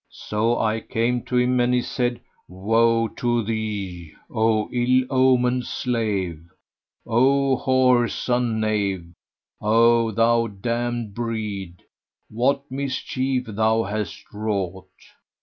So I came to him and he said, "Woe to thee, O ill omened slave! O whoreson knave! O thou damned breed! What mischief thou hast wrought?